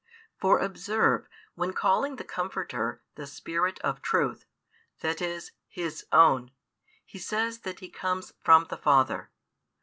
For observe, when calling the Comforter "the Spirit of truth," that is, His own, He says that He comes from the Father.